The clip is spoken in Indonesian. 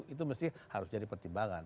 itu harus jadi pertimbangan